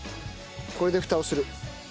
これでフタをする。